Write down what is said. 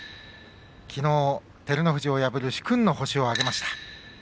きのう照ノ富士を破る殊勲の星を挙げました。